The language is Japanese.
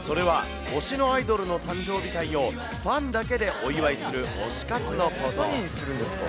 それは推しのアイドルの誕生日会を、ファンだけでお祝いする推し何するんですか？